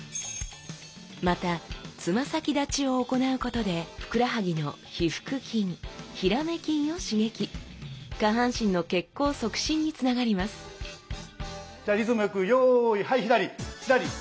またつま先立ちを行うことでふくらはぎの腓腹筋ヒラメ筋を刺激下半身の血行促進につながりますじゃあリズムよくよいはい左左！